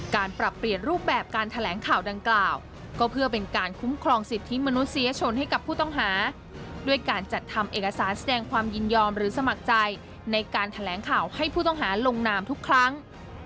ปรับเปลี่ยนรูปแบบการแถลงข่าวดังกล่าวก็เพื่อเป็นการคุ้มครองสิทธิมนุษยชนให้กับผู้ต้องหาด้วยการจัดทำเอกสารแสดงความยินยอมหรือสมัครใจในการแถลงข่าวให้ผู้ต้องหาลงนามทุกครั้ง